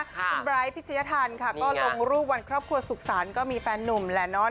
คุณไบร์ทพิชยธรรมค่ะก็ลงรูปวันครอบครัวสุขสรรค์ก็มีแฟนหนุ่มแหละเนาะ